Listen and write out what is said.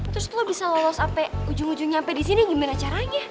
terus lo bisa lolos ujung ujungnya sampe disini gimana caranya